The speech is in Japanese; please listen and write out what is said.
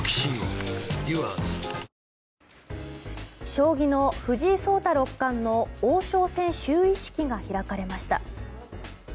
将棋の藤井聡太六冠の王将戦就位式が開かれました。